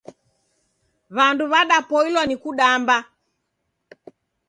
Wandu wadapoilwa ni kudamba